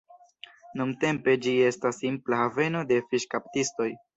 Nuntempe ĝi estas simpla haveno de fiŝkaptistoj.